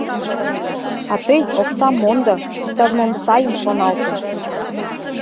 — А тый оксам мондо, иктаж-мом сайым шоналте.